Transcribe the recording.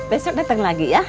besok datang lagi ya